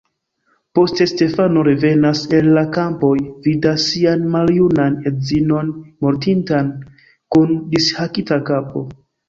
Poste Stefano revenas el la kampoj, vidas sian maljunan edzinon mortintan, kun dishakita kapo.